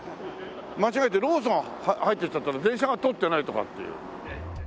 間違えてローソン入っていっちゃったら電車が通ってないとかっていう。